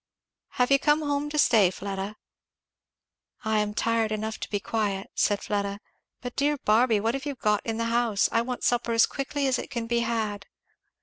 "Have you come home to stay, Fleda?" "I am tired enough to be quiet," said Fleda. "But dear Barby, what have you got in the house? I want supper as quickly as it can be had."